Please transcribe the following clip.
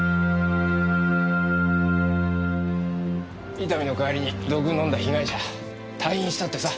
伊丹の代わりに毒を飲んだ被害者退院したってさ。